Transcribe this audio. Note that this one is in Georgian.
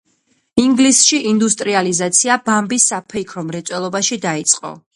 ინგლისში ინდუსტრიალიზაცია ბამბის საფეიქრო მრეწველობაში დაიწყო.